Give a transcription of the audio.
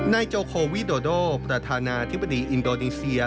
นายโจโควิโดโดประธานาธิบดีอินโดนีเซีย